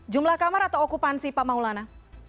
jumlah kamar atau okupansi pak maulana